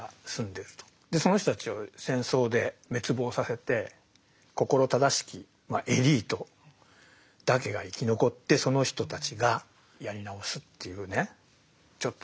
その人たちを戦争で滅亡させて心正しきエリートだけが生き残ってその人たちがやり直すというねちょっとねイラッとします。